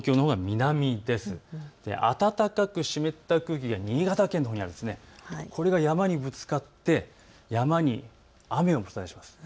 暖かく湿った空気が新潟県のほうにあって、これが山にぶつかって雨を降らせます。